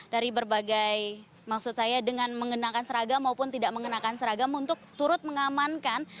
dari berbagai maksud saya dengan mengenakan seragam maupun tidak mengenakan seragam untuk turut mengamankan